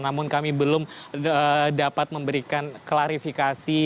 namun kami belum dapat memberikan klarifikasi